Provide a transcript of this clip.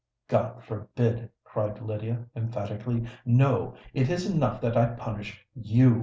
"God forbid!" cried Lydia, emphatically: "no—it is enough that I punish you."